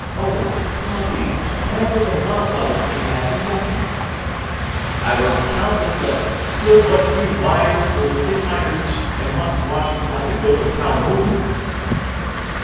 Oh, poppies. Pamphlets on wildflowers could be had from Documents. I wrote countless letters, pulled what few wires were within my reach, and haunted Washington like the ghost of Calhoun.